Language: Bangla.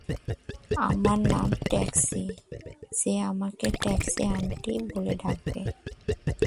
আমার নাম ট্যাক্সি যে আমাকে ট্যাক্সি আন্টি বলে ডাকবে?